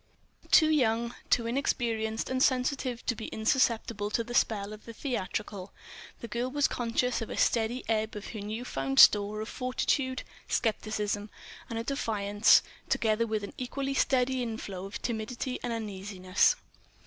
Too young, too inexperienced and sensitive to be insusceptible to the spell of the theatrical, the girl was conscious of a steady ebb of her new found store of fortitude, skepticism, and defiance, together with an equally steady inflow of timidity and uneasiness.